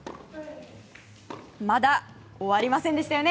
まだ終わりませんでしたよね